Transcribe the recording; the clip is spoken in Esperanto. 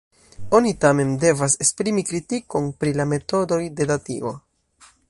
Oni, tamen, devas esprimi kritikon pri la metodoj de datigo.